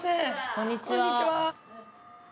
こんにちは。